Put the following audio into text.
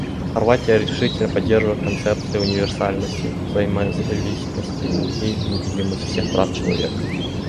Хорватия решительно поддерживает концепции универсальности, взаимозависимости и неделимости всех прав человека.